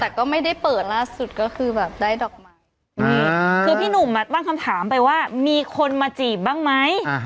คือพี่หนุ่มอ่ะว่าห้ามคำถามไปว่ามีคนมาจีบบ้างไหม